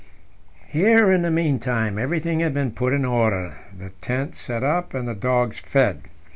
Here in the meantime everything had been put in order, the tent set up, and the dogs fed.